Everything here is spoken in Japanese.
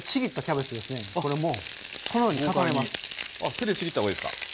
手でちぎった方がいいですか？